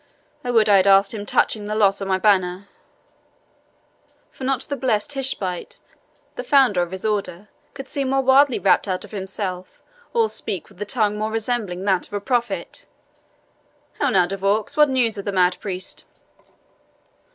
I would I had asked him touching the loss of my banner; for not the blessed Tishbite, the founder of his order, could seem more wildly rapt out of himself, or speak with a tongue more resembling that of a prophet. How now, De Vaux, what news of the mad priest?"